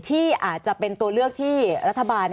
ที่อาจจะเป็นตัวเลือกที่รัฐบาล